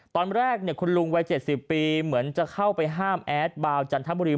ตอนแรกคุณลุงวัย๗๐ปีเหมือนจะเข้าไปห้ามแอดบาวจันทบุรี